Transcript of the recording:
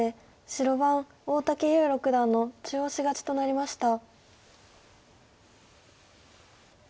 白番大竹優六段の中押し勝ちとなりました。